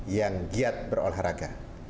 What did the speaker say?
yang giat berolahraga